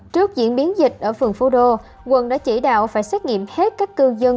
trước diễn biến dịch ở phường phú đô quận đã chỉ đạo phải xét nghiệm hết các cư dân